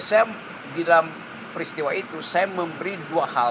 saya di dalam peristiwa itu saya memberi dua hal